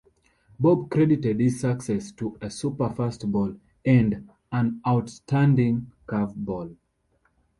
Bob credited his success to a super fastball and an outstanding curve ball.